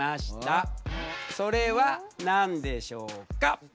それは何でしょうか？